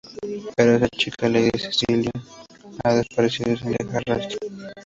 Pero esa chica, Lady Cecily, ha desaparecido sin dejar rastro.